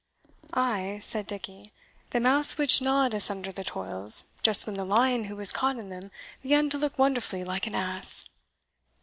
"Ay," said Dickie, "the mouse which gnawed asunder the toils, just when the lion who was caught in them began to look wonderfully like an ass."